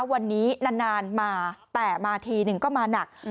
วันนี้นานมาแต่มาทีหนึ่งก็มาหนัก